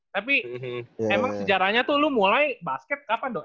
tapi emang sejarahnya tuh lu mulai basket kapan dok